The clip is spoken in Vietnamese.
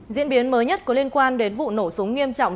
diễn biến mới nhất có liên quan đến vụ nổ súng nghiêm trọng